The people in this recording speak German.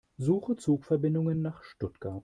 Suche Zugverbindungen nach Stuttgart.